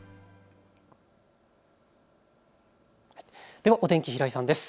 ではお天気、平井さんです。